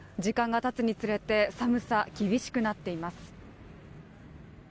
時間がたつにつれて、寒さ厳しくなっています。